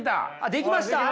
できました？